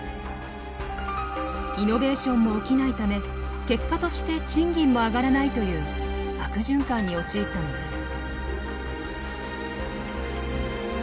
イノベーションも起きないため結果として賃金も上がらないという悪循環に陥ったのです。